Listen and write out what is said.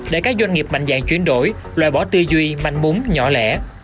để các doanh nghiệp mạnh dạng chuyển đổi loại bỏ tư duy mạnh múng nhỏ lẻ